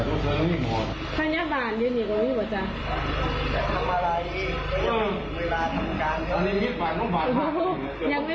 โอ้โอ้คนป่วยจะอยู่ไหนอยู่